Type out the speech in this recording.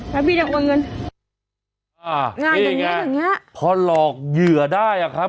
แล้วพี่จะโอนเงินอ่างานอย่างเงี้อย่างเงี้ยพอหลอกเหยื่อได้อ่ะครับ